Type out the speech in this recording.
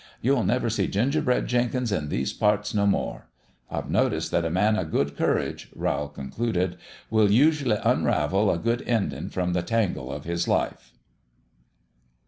You'll never see Gingerbread Jenkins in these parts no more. I've noticed that a man o' good courage," Rowl concluded, " will usually unravel a good endin' from the tangle of his life."